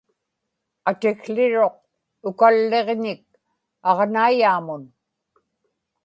atikłiruq ukalliġñik aġnaiyaamun